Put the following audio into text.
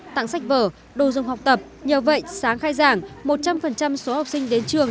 tặng sách vở đồ dùng học tập nhờ vậy sáng khai giảng một trăm linh số học sinh đến trường